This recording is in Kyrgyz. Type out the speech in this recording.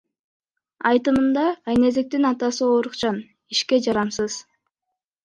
Айтымында, Айназиктин атасы оорукчан, ишке жарамсыз.